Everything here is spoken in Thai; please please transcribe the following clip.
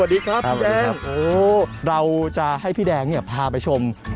สวัสดีครับโอ้โฮเราจะให้พี่แดงเนี่ยพาไปชมสวัสดีครับ